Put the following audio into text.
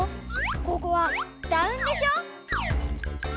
ここはダウンでしょ？